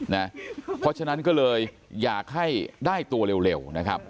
เพราะฉะนั้นก็เลยอยากให้ได้ตัวเร็วนะครับ